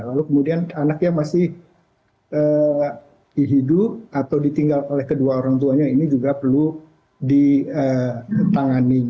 lalu kemudian anak yang masih dihidup atau ditinggal oleh kedua orang tuanya ini juga perlu ditangani